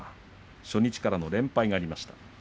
初日からの連敗がありました。